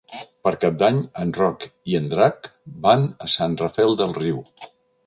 Per Cap d'Any en Roc i en Drac van a Sant Rafel del Riu.